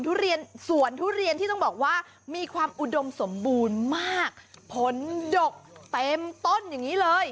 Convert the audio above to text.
ทุเรียนสวนทุเรียนที่ต้องบอกว่ามีความอุดมสมบูรณ์มากผลดกเต็มต้นอย่างนี้เลย